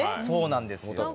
そうなんですよ。